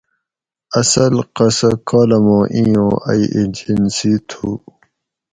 اصل قصہ کالاماں ایں اُوں ائی ایجنسی تُھو